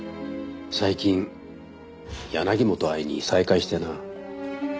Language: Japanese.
最近柳本愛に再会してな。